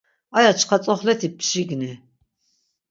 Aya çkva tzoxleti pşigni.